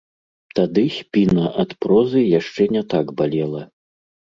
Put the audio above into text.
Тады спіна ад прозы яшчэ не так балела.